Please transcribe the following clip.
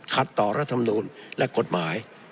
คัดต่อระธรรมนูตรและกฎหมาย